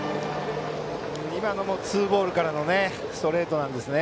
今のもツーボールからのストレートですね。